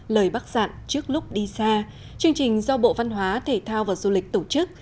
lời bác sạn trước lúc đi xa chương trình do bộ văn hóa thể thao và du lịch tổ chức